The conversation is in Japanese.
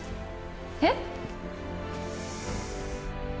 えっ？